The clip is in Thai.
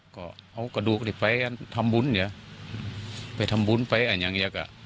ก็เอากระดูกเด็กไปกันทำบุญเนี่ยไปทำบุญไปอันอย่างเงี้ยก็